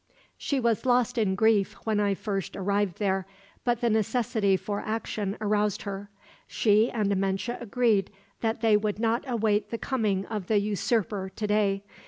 "She was lost in grief when I first arrived there, but the necessity for action aroused her. She and Amenche agreed that they would not await the coming of the usurper today.